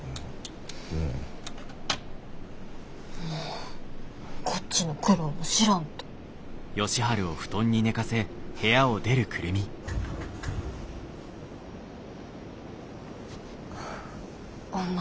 もうこっちの苦労も知らんと。ホンマ